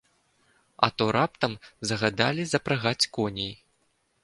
А то раптам загадалі запрагаць коней.